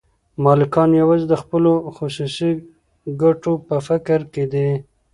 مالکان یوازې د خپلو خصوصي ګټو په فکر کې دي